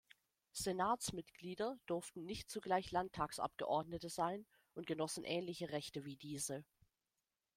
Senatsmitglieder durften nicht zugleich Landtagsabgeordnete sein und genossen ähnliche Rechte wie diese.